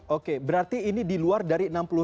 oke berarti ini di luar dari